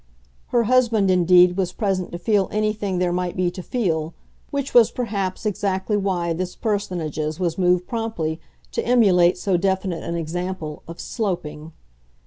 Her husband indeed was present to feel anything there might be to feel which was perhaps exactly why this personage was moved promptly to emulate so definite an example of "sloping."